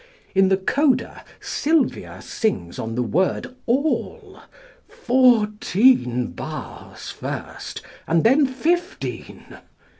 In the coda Sylvia sings on the word "all," fourteen bars first and then fifteen!